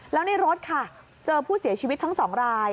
แล้วในรถค่ะเจอผู้เสียชีวิตทั้ง๒ราย